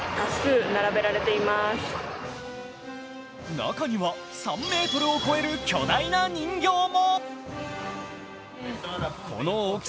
中には３ｍを超える巨大な人形も。